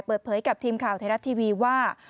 เปิดเผยกับทีมข่าวไทยรัฐทีวีว่า